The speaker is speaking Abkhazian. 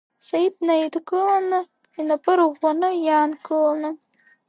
Саид днаидкыланы инапы рыӷәӷәаны иаанкыланы.